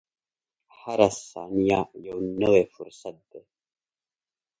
• هره ثانیه یو نوی فرصت دی.